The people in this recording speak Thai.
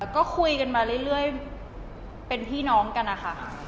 ก็คุยกันมาเรื่อยเป็นพี่น้องกันนะคะ